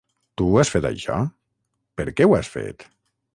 Tu has fet això? Per què ho has fet?